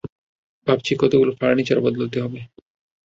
ভাবছি কতগুলো ফার্নিচার বদলাতে হবে।